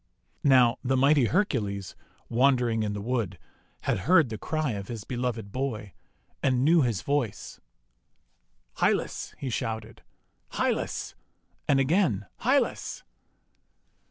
Now, the mighty Hercules, wandering in the wood, had heard the cry of his beloved boy, and knew his voice. 'Hylas!' he shouted, !£ Hylas!" and again, "Hylas!"